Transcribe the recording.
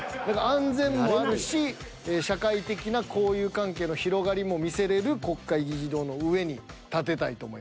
安全もあるし社会的な交友関係の広がりも見せれる国会議事堂の上に建てたいと思います。